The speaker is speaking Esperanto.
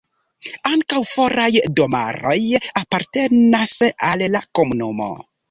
Ankaŭ foraj domaroj apartenas al la komunumo.